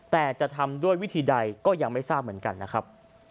แต่จะทำด้วยวิธีใดก็ยังไม่ทราบเหมือนกันนะครับ